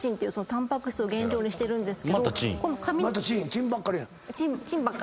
「チン」ばっかりに。